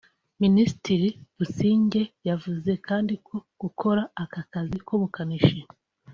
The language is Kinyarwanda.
Minisitiri Busingye yavuze kandi ko gukora aka kazi k’ubukanishi